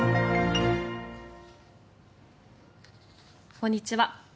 こんにちは。